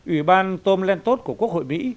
ủy ban tom lentos của quốc hội mỹ